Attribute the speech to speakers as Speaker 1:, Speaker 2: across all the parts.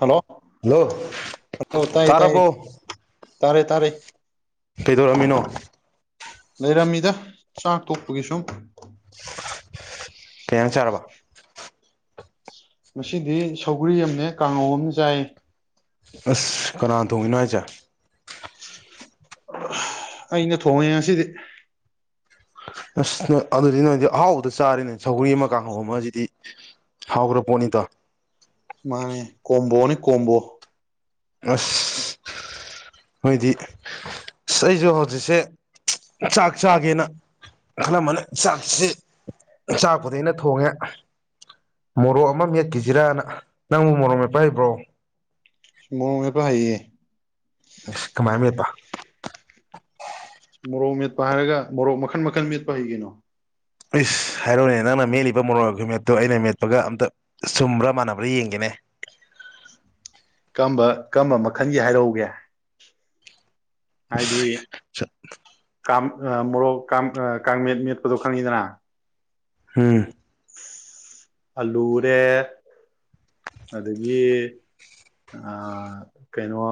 Speaker 1: Hello
Speaker 2: hello
Speaker 1: hello ꯇꯥꯏ
Speaker 2: ꯇꯥꯔꯥꯕꯣ?
Speaker 1: ꯇꯥꯏ ꯇꯥꯔꯦ - ꯇꯥꯔꯦ꯫
Speaker 2: ꯀꯩꯗꯣꯔꯝꯃꯤꯅꯣ?
Speaker 1: ꯂꯩꯔꯝꯃꯤꯗ ꯆꯥꯛ ꯇꯣꯛꯄꯒꯤ ꯁꯨꯝ꯫
Speaker 2: ꯊꯦꯡꯅ ꯆꯔꯕ?
Speaker 1: ꯃꯁꯤꯗꯤ ꯁꯧꯒ꯭ꯔꯤ ꯑꯃꯅꯦ ꯀꯥꯡꯉꯧ ꯑꯃꯅ ꯆꯥꯏꯌꯦ꯫
Speaker 2: ꯑꯁ ꯀꯅꯥ ꯇꯣꯡꯉꯤꯅꯣ ꯍꯥꯢꯖꯦ?
Speaker 1: ꯑꯩꯅ ꯊꯣꯡꯉꯦ ꯑꯁꯤꯗꯤ꯫
Speaker 2: ꯑꯁ ꯅ ꯑꯗꯨꯗꯤ ꯅꯣꯏꯗꯤ ꯑꯍꯥꯎꯕꯗ ꯆꯥꯔꯤꯅꯦ ꯁꯧꯒ꯭ꯔꯤ ꯑꯃ ꯀꯥꯡꯍꯧ ꯑꯃꯁꯤꯗꯤ ꯍꯥꯎꯈ꯭ꯔ ꯄꯣꯠꯅꯤꯗ꯫
Speaker 1: ꯃꯥꯅꯦ ꯀꯣꯝꯕꯣꯅꯤ ꯀꯣꯝꯕꯣ꯫
Speaker 2: ꯑꯁ ꯃꯣꯏꯗꯤ ꯑꯁ ꯑꯩꯁꯨ ꯍꯧꯖꯤꯛꯁꯦ ꯆꯥꯛ ꯆꯥꯒꯦꯅ ꯈꯜꯂꯝꯃꯅꯦ ꯆꯥꯛꯁꯤ ꯆꯥꯛꯄꯗꯩꯅ ꯊꯣꯡꯉꯦ ꯃꯣꯔꯣꯛ ꯑꯃ ꯃꯦꯠꯈꯤꯁꯤꯔꯅ ꯅꯪꯕꯨ ꯃꯣꯔꯣꯛ ꯃꯦꯠꯄ ꯍꯩꯕ꯭ꯔꯣ?
Speaker 1: ꯃꯣꯔꯣꯛ ꯃꯦꯠꯄ ꯍꯩꯌꯦ꯫
Speaker 2: ꯀꯃꯥꯏꯅ ꯃꯦꯠꯄꯥ?
Speaker 1: ꯃꯣꯔꯣꯛ ꯃꯦꯠꯄ ꯍꯥꯏꯔꯒ ꯃꯣꯔꯣꯛ ꯃꯈꯟ - ꯃꯈꯟ ꯃꯦꯠꯄ ꯍꯩꯀꯩꯅꯣ ꯫
Speaker 2: ꯏꯁ ꯍꯥꯏꯔꯣꯅꯦ ꯅꯪꯅ ꯃꯦꯠꯂꯤꯕ ꯃꯣꯔ ꯈꯨꯃꯦꯠꯇꯣ ꯑꯩꯅ ꯃꯦꯠꯄꯒ ꯑꯝꯇ ꯆꯨꯝꯕ꯭ꯔꯥ ꯃꯥꯟꯅꯕ꯭ꯔꯥ ꯌꯦꯡꯒꯦꯅꯦ꯫
Speaker 1: ꯀꯔꯝꯕ ꯃꯈꯜꯒꯤ ꯍꯥꯏꯔꯛꯎꯒꯦ꯫ ꯍꯥꯏꯗꯤ ꯃꯣꯔꯣꯛ ꯀꯥꯡꯃꯦꯠ ꯃꯦꯠꯄꯗꯣ ꯈꯪꯉꯤꯗꯅ?
Speaker 2: ꯍꯝ꯫
Speaker 1: ꯑꯂꯨꯔꯦ ꯑꯗꯒꯤ ꯀꯩꯅꯣ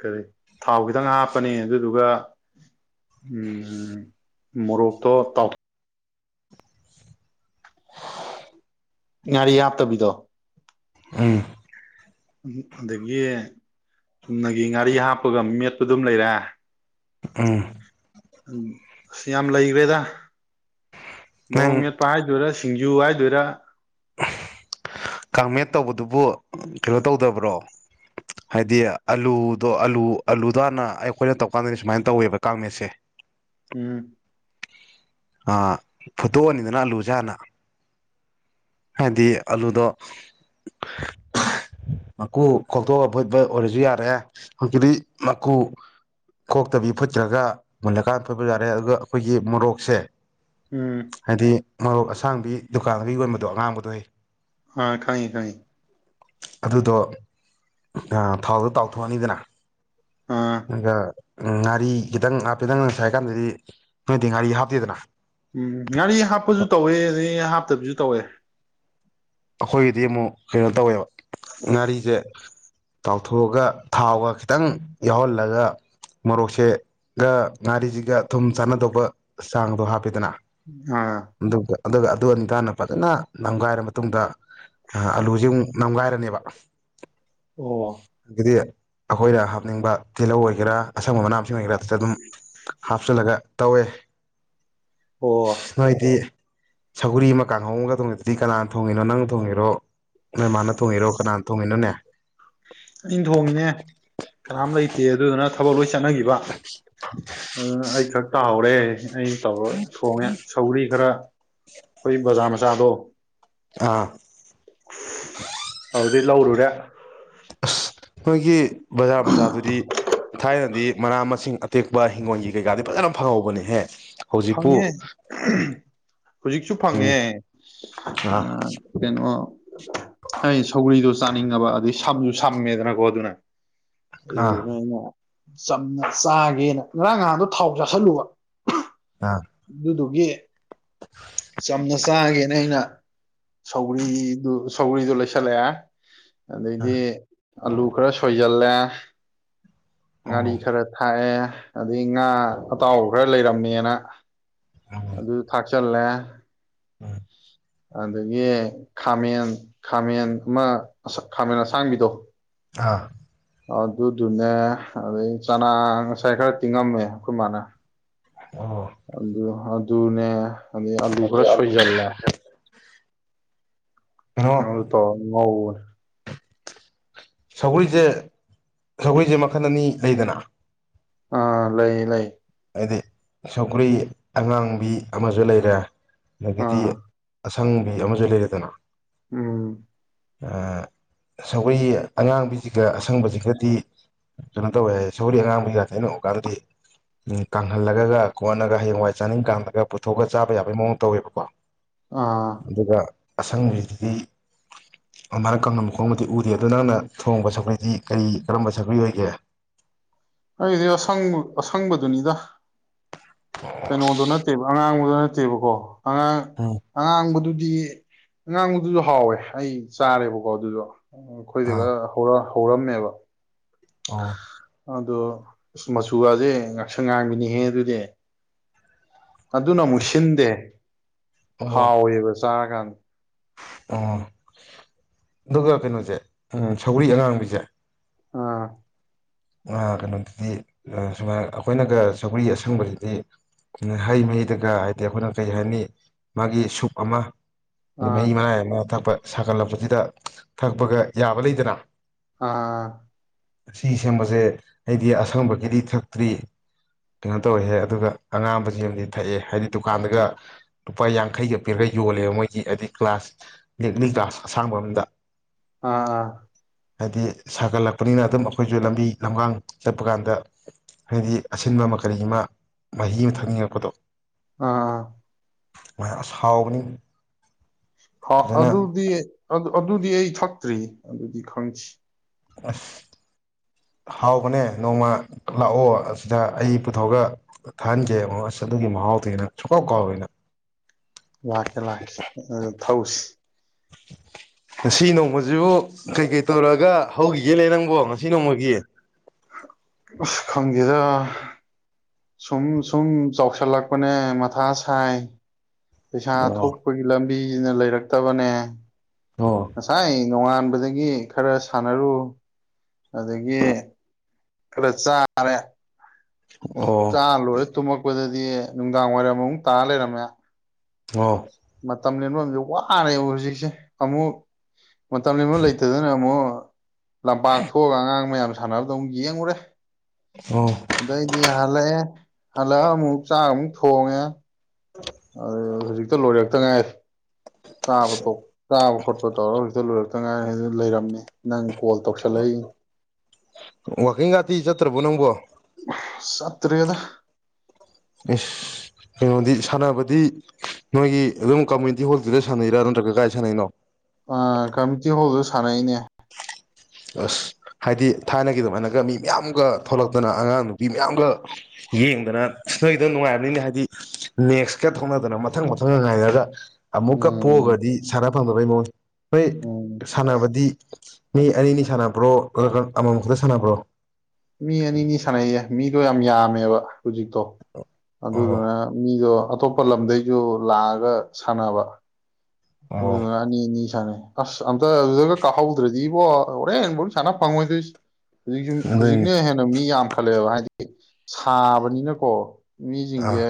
Speaker 1: ꯀꯔꯤ ꯊꯥꯎ ꯈꯤꯇꯪ ꯍꯥꯞꯄꯅꯦ ꯑꯗꯨꯗꯨꯒ ꯎ ꯃꯣꯔꯣꯛꯇꯣ ꯇꯥꯎꯊ ꯉꯔꯤ ꯍꯥꯇ ꯕꯤꯗꯣ!
Speaker 2: ꯑꯝ
Speaker 1: ꯑꯗꯒꯤ ꯆꯨꯝꯅꯒꯤ ꯉꯥꯔꯤ ꯍꯥꯞꯄꯒ ꯃꯦꯠꯄ ꯑꯗꯨꯝ ꯂꯩꯔꯦ
Speaker 2: ꯎꯝ
Speaker 1: ꯑꯁ ꯌꯥꯝ ꯂꯩꯈ꯭ꯔꯦꯗ꯫ ꯃꯔꯑꯣꯛ ꯡ
Speaker 2: ꯅꯪ
Speaker 1: ꯃꯦꯠꯄ ꯍꯥꯏꯗꯔꯁꯤꯁꯤꯟ ꯁꯤꯡꯖꯨ ꯍꯥꯏꯗꯣꯏꯔꯥ
Speaker 2: ꯀꯥꯡꯃꯦꯠ ꯇꯧꯕꯗꯨꯕꯨ ꯀꯩꯅꯣ ꯇꯧꯗꯕ꯭ꯔꯣ ꯍꯥꯏꯗꯤ ꯑꯂꯨꯗꯣ ꯑꯂꯨ ꯑꯂꯨꯗ ꯍꯥꯟꯅ ꯑꯩꯈꯣꯏꯅ ꯇꯧꯔꯀꯥꯟꯗꯅꯦ ꯁꯨꯃꯥꯏꯅ ꯇꯧꯋꯦꯕ ꯀꯥꯡꯃꯦꯠꯁꯦ
Speaker 1: ꯎꯝ
Speaker 2: ꯑꯥ ꯐꯣꯠꯇꯣꯛꯑꯅꯤꯗꯅ ꯑꯂꯨ ꯖꯦ ꯍꯥꯟꯅ ꯍꯥꯏꯕꯗꯤ ꯑꯂꯨꯗꯣ ꯃꯀꯨ ꯈꯣꯛꯇꯣꯛꯑꯒ ꯐꯨꯠꯄ ꯑꯣꯏꯔꯁꯨ ꯌꯥꯔꯦ ꯍꯧꯖꯤꯛꯇꯤ ꯃꯀꯨ ꯈꯣꯛꯇꯕꯤ ꯐꯨꯠꯈꯔ꯭ꯥꯒ ꯃꯨꯜꯂꯀꯥꯟꯗ ꯐꯨꯠꯄ ꯌꯥꯔꯦ ꯑꯗꯨꯒ ꯑꯩꯈꯣꯏꯒꯤ ꯃꯣꯔꯣꯛꯁꯦ
Speaker 1: ꯎꯝ
Speaker 2: ꯍꯥꯏꯗꯤ ꯃꯔꯣꯛ ꯑꯁꯥꯡꯕꯤ ꯗꯨꯀꯥꯟꯗꯒ ꯌꯣꯟꯕ ꯑꯗꯣ ꯑꯉꯥꯡꯕꯗꯣ ꯍꯦ
Speaker 1: ꯑꯥ ꯈꯪꯏ ꯈꯪꯏ
Speaker 2: ꯑꯗꯨꯗꯣ ꯊꯥꯎꯗꯣ ꯇꯥꯎꯊꯣꯛꯑꯅꯤꯗꯅ
Speaker 1: ꯑꯥ
Speaker 2: ꯑꯗꯨꯒ ꯉꯥꯔꯤ ꯈꯤꯇꯪ ꯍꯥꯞꯄꯤ ꯅꯪ ꯁꯥꯏ ꯍꯥꯏꯀꯥꯟꯗꯗꯤ
Speaker 1: ꯎꯝ ꯉꯥꯔꯤ ꯍꯥꯞꯄꯁꯨ ꯇꯧꯋꯦ ꯑꯗꯩ ꯍꯥꯞꯇꯕꯤꯖꯨ ꯇꯧꯋꯦ
Speaker 2: ꯑꯩꯈꯣꯏꯒꯤꯗꯤ ꯑꯃꯨꯛ ꯀꯩꯅꯣ ꯇꯧꯋꯦꯕ ꯉꯥꯔꯤꯁꯦ ꯇꯥꯎꯊꯣꯛꯑꯒ ꯊꯥꯎꯒ ꯈꯤꯇꯪ ꯌꯥꯎꯍꯜꯂꯒ ꯃꯣꯔꯣꯛꯁꯦꯒ ꯉꯥꯔꯤꯁꯤꯒ ꯊꯨꯝ ꯆꯥꯟꯅꯗꯧꯕ ꯆꯥꯡꯗꯣ ꯍꯥꯞꯄꯦꯗꯅ
Speaker 1: ꯑꯥ
Speaker 2: ꯑꯗꯨꯒ ꯑꯗꯨꯒ ꯑꯗꯨ ꯑꯅꯤꯇꯥꯅ ꯐꯖꯅ ꯅꯝꯒꯥꯏꯔꯝꯕ ꯃꯇꯨꯡꯗ ꯑꯂꯨꯖꯤ ꯑꯃꯨꯛ ꯅꯝꯒꯥꯏꯔꯅꯦꯕ
Speaker 1: ꯑꯣ
Speaker 2: ꯒꯗꯤ ꯑꯩꯈꯣꯏꯅ ꯍꯥꯞꯅꯤꯡꯕ ꯇꯤꯜꯍꯧ ꯑꯣꯏꯒꯦꯔꯥ ꯑꯁꯪꯕ ꯃꯅꯥ ꯑꯗꯨꯝ ꯍꯥꯞꯆꯜꯂꯒ ꯇꯧꯋꯦ
Speaker 1: ꯑꯣ
Speaker 2: ꯅꯣꯢꯗꯤ ꯁꯧꯒꯔꯤ ꯑꯃ ꯀꯥꯡꯍꯧ ꯑꯃꯒ ꯇꯣꯡꯉꯗꯗꯤ ꯀꯅꯥꯟ ꯊꯣꯡꯉꯤꯅꯣ ꯅꯪ ꯊꯣꯡꯉꯤꯔꯣ ꯅꯣꯏ ꯃꯥꯅ ꯊꯣꯡꯉꯤꯔꯣ ꯀꯥꯅꯥꯟ ꯇꯣꯡꯉꯤꯅꯣꯅꯦ
Speaker 1: ꯑꯩꯅ ꯊꯣꯡꯉꯤꯅꯦ ꯀꯅꯥꯝ ꯂꯩꯇꯦ ꯑꯗꯨꯗꯨꯅ ꯊꯕꯛ ꯂꯣꯏꯁꯤ ꯆꯠꯅꯒꯤꯕ ꯑꯗꯨꯅ ꯑꯩ ꯈꯛ ꯇꯥꯎꯔꯦ ꯑꯩꯅ ꯇꯧꯔꯒ ꯊꯣꯡꯉꯦ ꯁꯧꯔꯤ ꯈꯔ ꯈꯣꯏ ꯕꯥꯖꯔ ꯃꯆꯥꯥꯗꯣ
Speaker 2: ꯑꯥ
Speaker 1: ꯑꯗꯨꯗꯩꯩ ꯂꯧꯔꯨꯔꯦ
Speaker 2: ꯑꯁ ꯈꯣꯏꯒꯤ ꯕꯖꯥꯔ ꯃꯆꯥꯗꯨꯗꯤ ꯊꯥꯏꯅꯗꯤ ꯃꯅꯥ ꯃꯁꯤꯡ ꯑꯇꯦꯛꯄ ꯍꯤꯡꯒꯣꯜꯒꯤ ꯀꯩꯀꯥꯗꯤ ꯐꯖꯅ ꯐꯪꯍꯧꯕꯅꯦꯍꯦ ꯍꯧꯖꯤꯛꯄꯨ
Speaker 1: ꯐꯪꯉꯦ ꯍꯧꯖꯤꯛꯁꯨ
Speaker 2: ꯎꯝ
Speaker 1: ꯐꯪꯉꯦ ꯑꯥ ꯀꯩꯅꯣ ꯑꯩ ꯁꯧꯒ꯭ꯔꯤꯗꯣ ꯆꯥꯅꯤꯡꯉꯥꯕ ꯑꯗꯩ ꯁꯝꯁꯨ ꯁꯝꯃꯦꯗꯅꯀꯣ ꯑꯗꯨꯅ
Speaker 2: ꯑꯥ
Speaker 1: [unintelligible] ꯆꯝꯅ ꯆꯥꯒꯦꯅ ꯉꯔꯥꯡ ꯉꯍꯥꯡꯗꯣ ꯊꯥꯎ ꯆꯥꯥꯁꯜꯂꯨꯕ꯫
Speaker 2: ꯑꯥ
Speaker 1: ꯑꯗꯨꯗꯣ꯫ ꯒꯤ ꯆꯝꯅ ꯆꯥꯒꯦꯅ ꯑꯩꯅ ꯁꯧꯒꯔ꯭ꯤ ꯗꯨ ꯁꯧꯒꯔ꯭ꯤ ꯗꯨ ꯂꯩꯣꯏꯁꯜꯂꯛꯑꯦ꯫
Speaker 2: ꯑꯥ
Speaker 1: ꯑꯗꯩꯗꯤ ꯑꯂꯨ ꯈꯔ ꯁꯣꯏꯖꯜꯂꯦ꯫ ꯑ ꯉꯔꯤ
Speaker 2: ꯑꯣ
Speaker 1: ꯈꯔ ꯊꯥꯛꯑꯦ꯫ ꯑꯗꯒꯤ ꯉꯥ ꯑꯇꯥꯎꯕ ꯈꯔ ꯂꯩꯔꯝꯃꯦꯅ
Speaker 2: ꯎꯝ
Speaker 1: ꯑꯗꯨ ꯊꯥꯛ ꯆꯜꯂꯦ꯫
Speaker 2: ꯎꯝ꯫
Speaker 1: ꯑꯗꯒꯤ ꯈꯥꯃꯦꯟ - ꯈꯥꯃꯦꯟ ꯑꯃ ꯈꯥꯃꯦꯟ ꯑꯁꯥꯡꯕꯤꯗꯣ
Speaker 2: ꯑꯥ꯫
Speaker 1: ꯑꯗꯨꯗꯨꯅꯦ ꯑꯗꯩ ꯆꯅꯥ ꯉꯁꯥꯏ ꯈꯔ ꯇꯤꯡꯉꯝꯃꯦ ꯑꯩꯈꯣꯏ ꯃꯥꯅ
Speaker 2: ꯑꯣ
Speaker 1: ꯑꯗꯨꯗ ꯍꯥꯄ [unintelligible] ꯑꯗꯩ ꯑꯂꯨ ꯈꯔ
Speaker 2: ꯀꯩꯅꯣ
Speaker 1: ꯁꯣꯏꯖꯜꯂꯦ ꯑꯗꯨ ꯇꯧꯔꯒ ꯉꯧꯕꯅꯦ꯫
Speaker 2: ꯁꯒꯔ꯭ꯤ ꯁꯦ ꯁꯒꯔꯤꯁꯦ ꯃꯈꯜ ꯑꯅꯤ ꯂꯩꯗꯅ꯫
Speaker 1: ꯑꯥ ꯂꯩꯌꯦ - ꯂꯩꯌꯦ꯫
Speaker 2: ꯍꯥꯏꯗꯤ ꯁꯧꯒꯔꯤ ꯑꯉꯥꯡꯕꯤ ꯑꯃꯖꯨ ꯂꯩꯔꯦ꯫ ꯑꯗ ꯒꯤꯗꯤ
Speaker 1: ꯑꯥ
Speaker 2: ꯁꯪꯕꯤ ꯑꯃꯁꯨ ꯂꯩꯔꯦꯗꯅ꯫
Speaker 1: ꯎꯝ꯫
Speaker 2: ꯁꯧꯒꯔꯤ ꯑꯉꯥꯡꯕꯤꯁꯤꯒ ꯑꯁꯪꯕꯁꯤꯒꯗꯤ ꯀꯩꯅꯣ ꯇꯧꯋꯦ ꯁꯒꯔꯤ ꯑꯉꯥꯡꯕꯤꯒ ꯊꯩꯅ [unintelligible] ꯀꯥꯡꯍꯜꯂꯒ ꯈꯣꯍꯂꯒ ꯍꯌꯦꯡꯋꯥꯏ ꯆꯥꯅꯤꯡ ꯀꯥꯡꯂꯒ ꯄꯨꯊꯣꯛꯑꯒ ꯆꯥꯕ ꯌꯥꯕꯒꯤ ꯃꯑꯣꯡ ꯇꯧꯋꯦꯕꯀꯣ꯫
Speaker 1: ꯑꯥ
Speaker 2: ꯑꯗꯨꯒ ꯑꯁꯪꯕꯁꯤꯗꯗꯤ ꯃꯥꯅ ꯀꯪꯅꯕ ꯃꯈꯣꯡꯃ ꯎꯗꯦ ꯑꯗꯨ ꯅꯪꯅ ꯊꯣꯡꯕ ꯁꯒꯔꯤꯗꯤ ꯀꯔꯤ ꯀꯔꯝꯕ ꯁꯒꯔ꯭ꯤ ꯑꯣꯏꯒꯦ?
Speaker 1: ꯑꯩꯗꯤ ꯑꯁꯪꯕ ꯑꯁꯪꯕꯗꯨꯅꯤꯗ꯫ ꯀꯩꯅꯣꯗ ꯅꯠꯇꯦꯕ ꯑꯉꯥꯡꯕ [unintelligible] ꯑꯉꯥꯡ
Speaker 2: ꯎꯝ
Speaker 1: - ꯑꯉꯥꯡꯕꯁꯨ ꯗꯤ ꯑꯉꯥꯡꯕꯗꯨꯁꯨ ꯍꯥꯎꯋꯦ ꯑꯩ ꯆꯥꯔꯦꯕꯀꯣ ꯑꯗꯨꯗꯣ꯫ ꯑꯩꯈꯣꯏꯗꯒ ꯍꯧꯔ ꯍꯧꯔꯝꯃꯦꯕ꯫
Speaker 2: ꯑꯥ꯫
Speaker 1: ꯑꯗꯣ ꯑꯁ ꯃꯆꯨꯒꯁꯦ ꯉꯥꯛꯁꯪ ꯉꯥꯡꯒꯤꯅꯤꯍꯦ ꯑꯗꯨꯗꯤ꯫ ꯑꯗꯨꯅ ꯑꯃꯨꯛ
Speaker 2: ꯑꯁ
Speaker 1: ꯁꯤꯟꯗꯦ
Speaker 2: ꯑꯣ
Speaker 1: ꯍꯥꯎꯋꯦꯕꯁꯦ ꯆꯔꯀꯟ
Speaker 2: ꯑꯣ ꯑꯗꯨꯒ ꯀꯩꯅꯣꯁꯦ ꯎ ꯁꯧꯒ꯭ꯔꯤ ꯑꯉꯥꯡꯕꯤꯁꯦ
Speaker 1: ꯑꯥ
Speaker 2: ꯀꯩꯅꯣꯗꯨꯗꯤ ꯁꯨꯃꯥꯏꯅ ꯑꯩꯈꯣꯏꯅꯒ ꯁꯧꯒꯔꯤ ꯑꯁꯪꯕꯁꯤꯗꯤ ꯍꯩ ꯃꯍꯩꯗꯒ ꯍꯥꯏꯗꯤ ꯑꯩꯈꯣꯏꯅ ꯀꯔꯤ ꯍꯥꯏꯅꯤ ꯃꯥꯒꯤ ꯁꯨꯞ ꯑꯃ
Speaker 1: ꯑꯥ
Speaker 2: ꯃꯩ ꯃꯥꯔꯅꯦꯕ ꯊꯛꯄ ꯁꯥꯒꯠꯂꯛꯄꯁꯤꯗ ꯊꯛꯄꯒ ꯌꯥꯕ ꯂꯩꯗꯅ
Speaker 1: ꯑꯥ
Speaker 2: [unintelligible] ꯁꯦꯡꯕꯁꯦ ꯑꯩꯗꯤ ꯑꯁꯪꯕꯒꯤꯗꯤ ꯊꯛꯇ꯭ꯔꯤ ꯀꯩꯅꯣ ꯇꯧꯔꯍꯦ ꯑꯗꯨꯒ ꯑꯉꯥꯡꯕꯁꯗꯤ ꯊꯛꯑꯦ ꯍꯥꯏꯕꯗꯤ ꯗꯨꯀꯥꯟꯗꯒ ꯂꯨꯄꯥ ꯌꯥꯡꯈꯩꯒ ꯄꯤꯔꯒ ꯌꯣꯜꯂꯦꯕ ꯃꯣꯏꯒꯤ ꯍꯥꯏꯗꯤ ꯒ꯭ꯂꯥꯁ ꯅꯦꯛꯅꯤ ꯒ꯭ꯂꯥꯁ ꯑꯁꯥꯡꯕ ꯑꯝꯗ
Speaker 1: ꯑꯥ ꯑꯥ
Speaker 2: ꯍꯥꯏꯗꯤ ꯁꯥꯒꯠꯂꯛꯄꯅꯤꯅ ꯑꯗꯨꯝ ꯑꯩꯈꯣꯏꯁꯨ ꯂꯝꯕꯤ ꯂꯝꯒꯥꯡ ꯆꯠꯄ ꯀꯥꯟꯗ ꯍꯥꯏꯗꯤ ꯑꯁꯤꯟꯕ ꯑꯃ ꯀꯔꯤ ꯑꯃ ꯃꯍꯤ ꯑꯃ ꯊꯛꯅꯤꯡꯉꯛꯄꯗꯣ
Speaker 1: ꯑꯥ
Speaker 2: ꯃ ꯑꯁ ꯍꯥꯎꯕꯅꯤ
Speaker 1: ꯍ
Speaker 2: ꯐꯖꯅ
Speaker 1: ꯑꯗꯨꯗꯤ ꯑꯗꯨ ꯑꯗꯨꯗꯤ ꯑꯩ ꯊꯛꯇ꯭ꯔꯤ ꯑꯗꯨꯗꯤ ꯈꯪꯗꯤ
Speaker 2: ꯑꯁ ꯍꯥꯎꯕꯅꯦ ꯅꯣꯡꯃ ꯂꯥꯛꯑꯣ ꯑꯁꯤꯗ ꯑꯩ ꯄꯨꯊꯣꯛꯑꯒ ꯊꯥꯍꯟꯒꯦ ꯑꯃ ꯑꯁ ꯑꯗꯨꯒꯤ ꯃꯍꯥꯎꯗꯅ ꯁꯨꯡꯀꯥꯎ ꯀꯥꯎꯔꯣꯏ ꯅꯪ
Speaker 1: ꯂꯥꯛꯀꯦ ꯂꯥꯛꯀꯦ ꯑꯗꯨꯗ ꯊꯧꯎꯁꯤ
Speaker 2: ꯉꯁꯤ ꯅꯣꯡꯃꯁꯤꯕꯨ ꯀꯩ ꯀꯩ ꯇꯧꯔꯒ ꯍꯧꯈꯤꯒꯦꯂ ꯅꯪꯕꯣ ꯉꯁꯤ ꯅꯣꯡꯃꯒꯤ
Speaker 1: ꯑꯁ ꯈꯪꯈꯤꯦꯗ ꯁꯨꯝ ꯁꯨꯝ ꯆꯥꯎꯁꯜꯂꯛꯄꯅꯦ ꯃꯊꯥ ꯁꯥꯏ ꯄꯩꯁꯥ
Speaker 2: ꯑꯣ
Speaker 1: ꯊꯣꯛꯄꯒꯤ ꯂꯝ ꯕꯤꯅ ꯂꯩꯔꯛꯇꯕꯅꯦ
Speaker 2: ꯑꯣ
Speaker 1: ꯉꯁꯥꯏ ꯅꯣꯉꯥꯟꯕꯗꯒꯤ ꯈꯔ ꯁꯥꯟꯅꯔꯨ ꯑꯗꯒꯤ ꯈꯔ ꯆꯥꯔꯦ
Speaker 2: ꯑꯣ
Speaker 1: ꯇꯨꯝꯃꯛꯄꯗꯗꯤ ꯅꯨꯡꯗꯥꯡ ꯋꯥꯏꯔꯝꯃꯨꯛ ꯇꯥꯔ ꯂꯩꯔꯝꯃꯦ
Speaker 2: ꯑꯣꯥ
Speaker 1: ꯃꯇꯝ ꯂꯦꯟꯐꯝ ꯋꯥꯔꯦꯕ ꯍꯧꯖꯤꯛꯁꯦ ꯑꯃꯨꯛ ꯃꯇꯝ ꯂꯦꯟꯐꯝ ꯂꯩꯇꯗꯅ ꯑꯃꯨꯛ ꯂꯝꯄꯥꯛ ꯊꯣꯛꯑꯒ ꯑꯉꯥꯡ ꯃꯌꯥꯝꯁ ꯁꯥꯟꯅꯕꯗꯣ ꯑꯃꯨꯛ ꯌꯦꯡꯉꯨꯔꯦ
Speaker 2: ꯑꯣ
Speaker 1: ꯑꯗꯩꯗꯤ ꯍꯜꯂꯛꯑꯦ ꯍꯜꯂꯛ ꯑꯃꯨꯛ ꯆꯥꯡ ꯑꯃꯨꯛ ꯊꯣꯡꯉꯦ ꯑꯗꯨ ꯍꯧꯖꯤꯛꯇ ꯂꯣꯏꯔꯛꯇ ꯉꯥꯏꯔꯦ ꯆꯥꯕ ꯆꯥꯕ ꯈꯣꯠꯄ ꯇꯧꯔꯒ ꯍꯧꯖꯤꯗ ꯂꯣꯏ ꯇꯉꯥꯏꯗ ꯂꯩꯔꯝꯃꯦ ꯅꯪ ꯀꯣꯜ ꯇꯧꯁꯜꯂꯛꯏꯅꯤ
Speaker 2: ꯋꯥꯀꯤꯡꯒꯥꯗꯤ ꯆꯠꯇ꯭ꯔꯕꯣ ꯅꯪꯕꯣ
Speaker 1: ꯆꯠꯇ꯭ꯔꯦꯗ
Speaker 2: ꯑꯦꯁ ꯀꯩꯅꯣꯗꯤ ꯁꯥꯟꯅꯕꯗꯤ ꯅꯣꯏꯒꯤ ꯑꯗꯨꯝ ꯀꯝꯃ꯭ꯌꯨꯅꯤꯇꯤ ꯍꯣꯜꯗꯨꯗ ꯁꯥꯟꯅꯩꯔꯥ ꯅꯠꯇ꯭ꯔ ꯀꯥꯏ ꯁꯥꯟꯅꯩꯅꯣ
Speaker 1: ꯑ ꯀꯝꯃꯨꯅꯤꯇꯤ ꯍꯣꯜꯗꯨꯗ ꯁꯥꯟꯅꯩꯅꯦ
Speaker 2: ꯑꯁ ꯍꯥꯏꯗꯤ ꯊꯥꯏꯅꯒꯤ ꯑꯗꯨꯃꯥꯏꯅꯒ ꯃꯤ ꯃꯌꯥꯝꯒ ꯊꯣꯛꯂꯛꯇꯅ ꯑꯉꯥꯡ ꯅꯨꯕꯤ ꯃꯌꯥꯝꯒ ꯌꯦꯡꯗꯅ ꯅꯣꯏꯗꫭ ꯅꯨꯡꯉꯥꯏꯔꯝꯅꯤꯅꯦ ꯍꯥꯏꯗꯤ ꯅꯦꯛꯁꯀ ꯊꯣꯛꯅꯗꯅ ꯃꯊꯪ ꯃꯊꯪꯒ ꯉꯥꯏꯍꯜꯂꯒ ꯑꯃꯨꯛꯀ
Speaker 1: ꯎꯝ
Speaker 2: ꯄꯣꯒꯗꯤ ꯁꯥꯟꯅ ꯐꯪꯗꯕꯩ ꯃꯑꯣꯡ ꯍꯣꯏ
Speaker 1: ꯎꯝ
Speaker 2: ꯁꯥꯟꯅꯕꯗꯤ ꯃꯤ ꯑꯅꯤꯅꯤ ꯁꯥꯟꯅꯕ꯭ꯔꯣ ꯅꯠꯇ꯭ꯔꯒ ꯑꯃ ꯃꯝ ꯈꯛꯇ ꯁꯥꯟꯅꯕ꯭ꯔꯣ
Speaker 1: ꯃꯤ ꯑꯅꯤꯅꯤ ꯁꯥꯟꯅꯩꯌꯦ ꯃꯤꯗꯣ ꯌꯥꯝ ꯌꯥꯝꯃꯦꯕ ꯍꯧꯖꯤꯛꯇꯣ
Speaker 2: ꯑꯣ
Speaker 1: ꯑꯗꯨꯗꯨꯅ ꯃꯤꯗꯣ ꯑꯞ ꯑꯇꯣꯞꯄ ꯂꯝꯗꯩꯁꯨ ꯂꯥꯛꯑꯒ ꯁꯥꯟꯅꯕ
Speaker 2: ꯑꯣ
Speaker 1: ꯑꯗꯨꯗꯨꯅ ꯑꯅꯤ ꯑꯅꯤ ꯁꯥꯟꯅꯩ ꯑꯁ ꯑꯝꯇ ꯑꯗꯨꯗꯒ ꯀꯥꯍꯧꯗ꯭ꯔꯗꯤ ꯏꯕꯣ ꯍꯣꯔꯦꯟꯕꯧ ꯁꯥꯟꯅ ꯐꯪꯉꯣꯏꯗꯣꯏꯁꯤ ꯍꯧꯖꯤꯛꯁꯨꯝ
Speaker 2: ꯑꯗꯨꯏꯅꯦ
Speaker 1: ꯍꯧꯖꯤꯛꯅ ꯍꯦꯟꯅ ꯃꯤ ꯌꯥꯝꯈꯠꯂꯦꯕ ꯍꯥꯏꯗꯤ ꯁꯥꯕꯅꯤꯅꯀꯣ ꯃꯤꯁꯤꯡꯁꯦ
Speaker 2: ꯑꯥ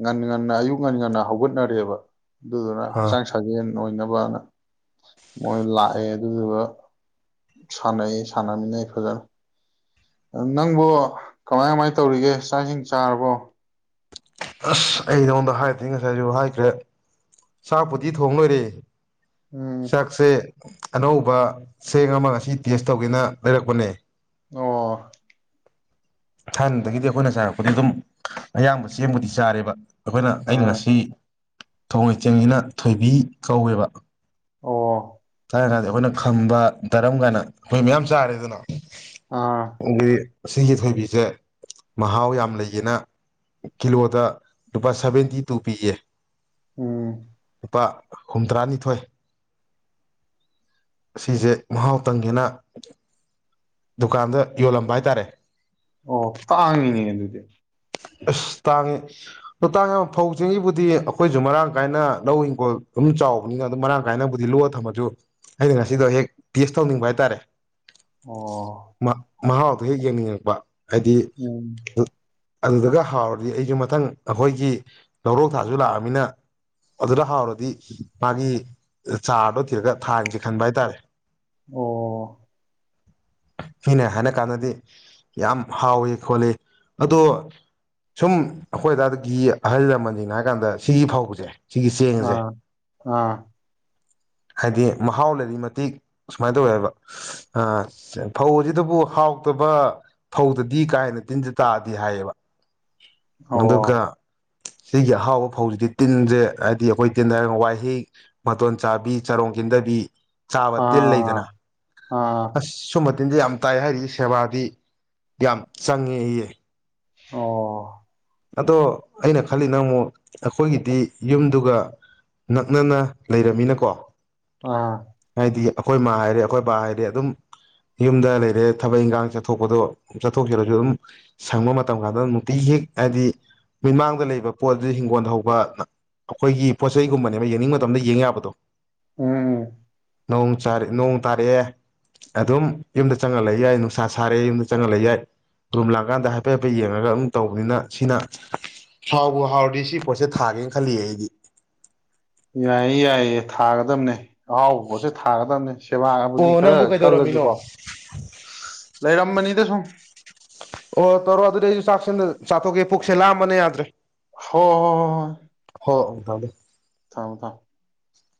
Speaker 1: ꯉꯟꯅ ꯉꯟꯅ ꯑꯌꯨꯛ ꯉꯟ ꯉꯟꯅ ꯍꯧꯒꯠꯅꯔꯦꯕ ꯑꯗꯨ
Speaker 2: ꯑꯥ
Speaker 1: ꯍꯛꯆꯥꯡ ꯁꯥꯖꯦꯟ ꯑꯣꯏꯅꯕꯅ ꯃꯣꯏ ꯂꯥꯛꯑꯦ ꯑꯗꯨꯗꯨꯒ ꯁꯥꯟꯅꯩ ꯁꯥꯟꯅꯃꯤꯅꯩ ꯐꯖꯅ ꯑꯝ ꯅꯪꯕꯨ ꯀꯃꯥꯏ ꯀꯃꯥꯏ ꯇꯧꯔꯤꯒꯦ ꯆꯥꯛ ꯏꯁꯤꯡ ꯆꯥꯔꯕꯣ
Speaker 2: ꯑꯁ ꯑꯩ ꯅꯉꯣꯟꯗ ꯍꯥꯏꯗꯨꯗꯤ ꯉꯁꯥꯏꯁꯨ ꯍꯥꯏꯈ꯭ꯔꯦ ꯆꯥꯛꯄꯨꯗꯤ ꯊꯣꯡ ꯂꯣꯏꯔꯦ
Speaker 1: ꯎꯝ
Speaker 2: ꯆꯥꯛꯁꯦ ꯑꯅꯧꯕ ꯆꯦꯡ ꯑꯃ ꯉꯁꯤ ꯇꯦꯁ ꯇꯧꯒꯦꯅ ꯂꯩꯔꯛꯄꯅꯦ
Speaker 1: ꯑꯣ
Speaker 2: ꯊꯥꯏꯅꯗꯒꯤꯗꯤ ꯑꯩꯈꯣꯏꯅ ꯆꯥꯔꯛꯄꯗꯤ ꯑꯗꯨꯝ ꯑꯌꯥꯝꯕ ꯆꯦꯡꯕꯨꯗꯤ ꯆꯥꯔꯦꯕ ꯑꯈꯣꯏꯅ ꯑꯩꯅ
Speaker 1: ꯑꯥ
Speaker 2: ꯉꯁꯤ ꯊꫭꯡꯏ ꯆꯦꯡꯁꯤꯅ ꯊꯣꯏꯕꯤ ꯀꯧꯋꯦꯕ
Speaker 1: ꯑꯣ
Speaker 2: ꯉꯔꯥꯡ‌ ꯅꯍꯥꯟꯗꯤ ꯑꯩꯈꯣꯏꯅ ꯈꯝꯕ ꯗꯔꯝ ꯀꯥꯏꯅ ꯑꯈꯣꯏꯅ ꯃꯌꯥꯝ ꯆꯥꯔꯦꯗꯅ
Speaker 1: ꯑꯥ
Speaker 2: ꯎꯒꯤ ꯑꯁꯤꯒꯤ ꯊꯣꯏꯕꯤꯁꯦ ꯃꯍꯥꯎ ꯌꯥꯝ ꯂꯩꯌꯦꯅ ꯀꯤꯂꯣꯗ ꯂꯨꯄꯥ ꯁꯚꯦꯟꯇꯤ ꯇꯨ ꯄꯤꯌꯦ
Speaker 1: ꯎꯝ
Speaker 2: ꯂꯨꯄꯥ ꯍꯨꯝꯇꯔꯥꯅꯤꯊꯣꯏ ꯁꯤꯁꯦ ꯃꯍꯥꯎ ꯇꯪꯒꯦꯅ ꯗꯨꯀꯥꯟꯗ ꯌꯣꯜꯂꯝꯕ ꯍꯥꯏꯇꯥꯔꯦ
Speaker 1: ꯑꯣ ꯇꯥꯡꯉꯤꯅꯦ ꯑꯗꯨꯗꯤ
Speaker 2: ꯑꯁ ꯇꯥꯡꯉꯤ ꯑꯣ ꯇꯥꯡꯉꯦ ꯐꯧ ꯆꯦꯡꯁꯤꯕꯨꯗꯤ ꯑꯩꯈꯣꯏꯁꯨ ꯃꯔꯥꯡ ꯀꯥꯏꯅ ꯂꯧ ꯍꯤꯡꯒꫭꯜ ꯑꯗꯨꯝ ꯆꯥꯎꯕꯅꯤꯅ ꯑꯗꯨꯝ ꯃꯔꯥꯡ ꯀꯥꯏꯅꯕꯨꯗꯤ ꯂꯣꯛꯑ ꯊꯝꯃꯁꯨ ꯑꯩꯅ ꯉꯁꯤꯗꯣ ꯍꯦꯛ ꯇꯦꯁ ꯇꯧꯅꯤꯡꯕ ꯍꯥꯏꯇꯥꯔꯦ
Speaker 1: ꯑꯣ
Speaker 2: ꯃꯥ ꯃꯍꯥꯎꯗꯣ ꯍꯦꯛ ꯌꯦꯡꯅꯤꯡꯉꯛꯄ ꯍꯥꯏꯗꯤ
Speaker 1: ꯎꯝ
Speaker 2: ꯗꯨꯠ ꯑꯗꯨꯗꯒ ꯍꯥꯎꯔꯗꯤ ꯑꯩꯁꯨ ꯃꯊꯪ ꯑꯈꯣꯏꯒꯤ ꯂꯧꯔꯣꯛ ꯊꯥꯁꯨ ꯂꯥꯛꯑꯃꯤꯅ ꯑꯗꯨꯗ ꯍꯥꯎꯔ ꯗꯤ ꯃꯥꯒꯤ ꯆꯥꯔꯗꯣ ꯊꯤꯔꯒ ꯊꯥꯡꯁꯦ ꯈꯟꯕ ꯍꯥꯏꯇꯥꯔꯦ
Speaker 1: ꯑꯣ
Speaker 2: ꯃꯤꯅꯥ ꯍꯥꯏꯅ ꯀꯥꯟꯗꯗꯤ ꯌꯥꯝ ꯍꯥꯎꯏꯤ ꯈꯣꯠꯂꯤ ꯑꯗꯣ ꯁꯨꯝ ꯑꯈꯣꯏ ꯑꯗꯥꯗꯒꯤ ꯑꯍꯜ ꯂꯃꯟꯅꯤꯅ ꯍꯥꯏꯒꯥꯟꯗ ꯁꯤꯒꯤ ꯐꯥꯎꯕꯁꯦ
Speaker 1: ꯑꯥ ꯑꯥ
Speaker 2: ꯍꯥꯏꯗꯤ ꯃꯍꯥꯎ ꯂꯩꯔꯤ ꯃꯇꯤꯛ ꯁꯨꯃꯥꯏ ꯇꯧꯋꯦꯍꯕ ꯑ ꯐꯧ ꯑꯁꯤꯗꯕꯨ ꯍꯥꯎꯇꯕ ꯐꯧꯗꯗꯤ ꯀꯥ ꯍꯦꯟꯅ ꯇꯤꯟꯖꯤ ꯇꯥꯗꯦ ꯍꯥꯏꯌꯦꯕ
Speaker 1: ꯑꯣ
Speaker 2: ꯑꯗꯨꯒ ꯁꯤꯒꯤ ꯑꯍꯥꯎꯕ ꯐꯧꯖꯤꯗꯤ ꯇꯤꯟꯖꯦ ꯍꯥꯏꯗꯤ ꯑꯩꯈꯣꯏ ꯇꯤꯟ ꯍꯥꯏꯔ ꯋꯥꯏꯍꯤꯛ ꯃꯇꯣꯟ ꯆꯥꯕꯤ ꯆꯥꯔꯣꯡ ꯀꯤꯟꯗꯕꯤ ꯆꯥꯕ
Speaker 1: ꯑꯥ
Speaker 2: ꯇꯤꯜ
Speaker 1: ꯑꯥ
Speaker 2: ꯂꯩꯗꯅ
Speaker 1: ꯑꯥ
Speaker 2: ꯑꯁ ꯁꯨꯝꯕ ꯇꯤꯟꯖꯦ ꯌꯥꯝ ꯇꯥꯏ ꯍꯥꯏꯔꯤ ꯁꯦꯕꯥꯗꯤ ꯌꯥꯝ ꯆꯪꯉꯦ ꯏꯌꯦ
Speaker 1: ꯑꯣ
Speaker 2: ꯑꯗꯣ ꯑꯩꯅ ꯈꯜꯂꯤ ꯅꯪ ꯑꯃꯨꯛ ꯑꯩꯈꯣꯏꯒꯤꯗꯤ ꯌꯨꯝꯗꯨꯒ ꯅꯛꯅꯅ ꯂꯩꯔꯝꯃꯤꯅꯀꯣ
Speaker 1: ꯑꯥ
Speaker 2: ꯑꯈꯣꯏ ꯃ ꯍꯥꯏꯔꯦ ꯑꯩꯈꯣꯏ ꯄꯥ ꯍꯥꯏꯔꯦ ꯑꯗꯨꯝ ꯌꯨꯝꯗ ꯂꯩꯔꯦ ꯊꯕꯛ ꯏꯤꯡꯈꯥꯡ ꯆꯠꯊꯣꯛꯄꯗꯣ ꯆꯠꯊꯣꯛꯆꯔꯁꯨ ꯑꯧꯝ ꯁꯪꯕ ꯃꯇꯝ ꯀꯥꯟꯗꯝ ꯅꯨꯡꯇꯤꯒꯤ ꯍꯦꯛ ꯍꯥꯏꯗꯤ ꯃꯤꯠꯃꯥꯡꯗ ꯂꯩꯕ ꯄꯣꯠ ꯗ ꯍꯤꯡꯒꯣꯜ ꯍꯧꯕ ꯑꯩꯈꯣꯏꯒꯤ ꯄꯣꯠꯆꯩꯒꯨꯝꯕꯅꯦꯕ ꯌꯦꯡꯅꯤꯡ ꯃꯇꯝꯗ ꯌꯦꯡ ꯌꯥꯕꯗꯣ
Speaker 1: ꯎꯝ
Speaker 2: ꯅꯣꯡ ꯆꯥꯔ ꯅꯣꯡ ꯇꯥꯔꯛꯑꯦ ꯑꯗꯨꯝ ꯌꯨꯝꯗ ꯆꯪꯉ ꯂꯩ ꯌꯥꯏ ꯅꯨꯡꯁꯥ ꯁꯥꯔꯦ ꯌꯨꯝꯗ ꯆꯪꯉ ꯂꯩ ꯌꯥꯏ ꯔꯨꯝ ꯂꯥꯡꯀꯥꯟꯗ ꯍꯥꯏꯐꯦꯠ ꯍꯥꯏꯐꯦꯠ ꯌꯦꯡꯉꯒ ꯑꯗꯨꯝ ꯇꯧꯕꯅꯤꯅ ꯁꯤꯅ ꯍꯥꯎꯕꯨ ꯍꯥꯎꯔꯗꯤ ꯁꯤ ꯄꯣꯠꯁꯦ ꯊꯥꯒꯦꯅ ꯈꯜꯂꯤꯌꯦ ꯑꯩꯗꯤ
Speaker 1: ꯌꯥꯏꯌꯦ ꯌꯥꯏꯌꯦ ꯊꯥꯒꯗꯝꯅꯦ ꯑꯍꯥꯎꯕ ꯄꯣꯠꯁꯦ ꯊꯥꯒꯗꯝꯅꯦ ꯁꯦꯕꯥꯕꯨꯗꯤ
Speaker 2: ꯑꯣ
Speaker 1: ꯈꯔ
Speaker 2: ꯅꯪꯕꯨ ꯀꯩꯗꯧꯔꯝꯃꯤꯅꯣ
Speaker 1: ꯀꯜꯂꯁꯖꯨꯀꯣ ꯂꯩꯔꯝꯕꯅꯤꯗ ꯁꯨꯝ
Speaker 2: ꯑꯣ ꯇꯧꯔꯣ ꯑꯗꯨꯗꯤ ꯑꯩꯁꯨ ꯆꯥꯛꯁꯦ ꯑꯝꯇ ꯆꯥꯊꯣꯛꯀꯦ ꯄꯨꯛꯁꯦ ꯂꯥꯝꯕꯅꯥ ꯌꯥꯗ꯭ꯔꯦ
Speaker 1: ꯍꯣ ꯍꯣ ꯑꯣ ꯑꯣ
Speaker 2: ꯍꯣ ꯑꯪꯇꯝꯗ
Speaker 1: ꯊꯥꯝ ꯊꯥꯝ
Speaker 2: ꯎ